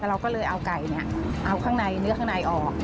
เราก็เลยเอาไก่เอาข้างในเนื้อข้างในออก